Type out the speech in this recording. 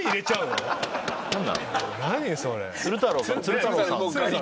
鶴太郎さん。